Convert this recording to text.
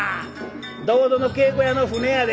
どこぞの稽古屋の船やで。